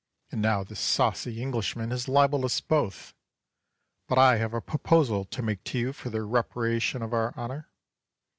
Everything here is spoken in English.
And now this saucy Englishman has libelled us both. But I have a proposal to make to you for the reparation of our honour.